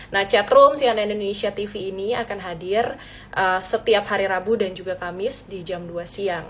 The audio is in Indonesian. nah chatroom cnn indonesia tv ini akan hadir setiap hari rabu dan juga kamis di jam dua siang